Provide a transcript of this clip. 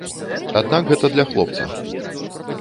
Аднак гэта для хлопцаў.